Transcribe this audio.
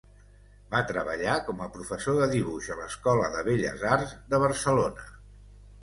Va treballar com a professor de dibuix a l'Escola de Belles Arts de Barcelona.